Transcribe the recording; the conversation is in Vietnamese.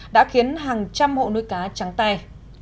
đã khiến hàng trăm hộ nuôi cá trắng tay